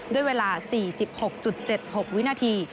ด้วยเวลา๔๖๗๖วินาที